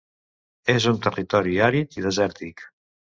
És un territori àrid i desèrtic.